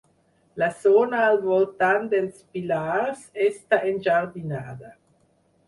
La zona al voltant dels pilars està enjardinada.